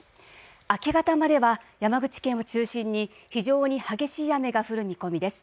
明け方までは山口県を中心に非常に激しい雨が降る見込みです。